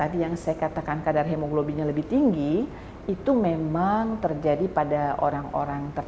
apakah keadaan hemoglobin tersebut akan mengakibatkan polisitemia